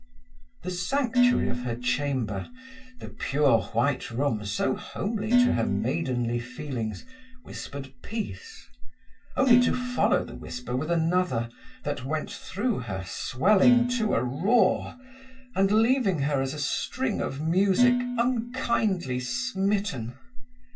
The sanctuary of her chamber, the pure white room so homely to her maidenly feelings, whispered peace, only to follow the whisper with another that went through her swelling to a roar, and leaving her as a suing of music unkindly smitten.